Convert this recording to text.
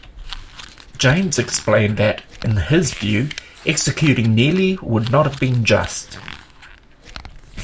James explained that, in his view, executing Neelley would not have been just.